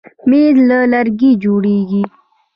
مېز له لرګي جوړېږي.